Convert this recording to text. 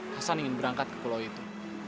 hasan ingin berangkat ke pulau itu